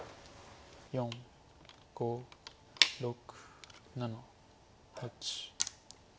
４５６７８。